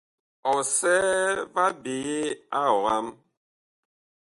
Ɔsɛɛ va ɓyeye a ɔam.